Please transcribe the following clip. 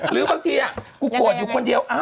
หรือบางทีกูโกรธอยู่คนเดียว